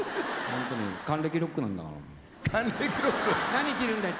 「何着るんだい？」